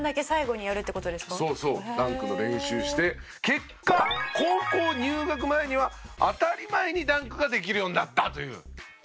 結果高校入学前には当たり前にダンクができるようになったという。